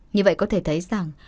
như vậy có thể thấy rằng